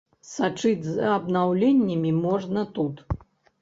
Сачыць за абнаўленнямі можна тут!